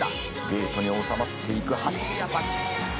「ゲートに納まっていく走り屋たち」